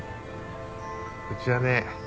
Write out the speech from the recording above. うちはね